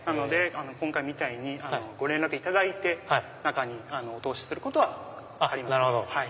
今回みたいにご連絡いただいて中にお通しすることはあります。